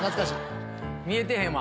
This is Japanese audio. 見えてへんわ